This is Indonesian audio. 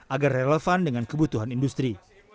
agar relevan dengan kebutuhan industri